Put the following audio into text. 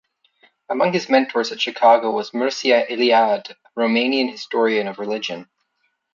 Among his mentors at Chicago was Mircea Eliade, a Romanian historian of religion.